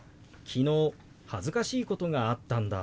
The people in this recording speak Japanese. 昨日恥ずかしいことがあったんだ。